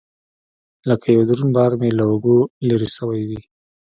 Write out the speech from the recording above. لكه يو دروند بار مې له اوږو لرې سوى وي.